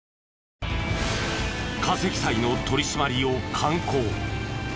過積載の取り締まりを敢行。